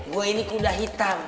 gua ini kuda hitam